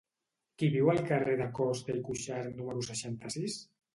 Qui viu al carrer de Costa i Cuxart número seixanta-sis?